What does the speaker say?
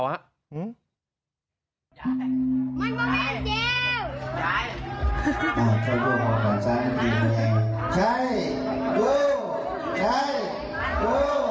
มันไม่ใช่เจล